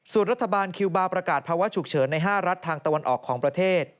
ส่วนรัฐบาลคิวบาร์ประกาศภาวะฉุกเฉินใน๕รัฐทางตะวันออกของประเทศ